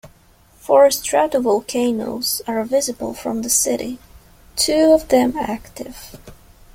Four stratovolcanoes are visible from the city, two of them active.